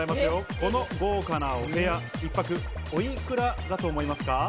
この豪華なお部屋、一泊おいくらだと思いますか？